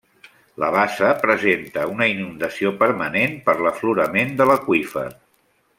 La bassa presenta una inundació permanent per l’aflorament de l’aqüífer.